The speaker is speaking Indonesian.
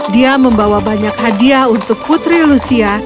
dia membawa banyak hadiah untuk putri lucia